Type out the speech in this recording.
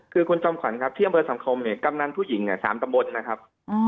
คือคุณจอมขวัญครับที่อำเภอสังคมเนี่ยกำนันผู้หญิง๓ตำบลนะครับ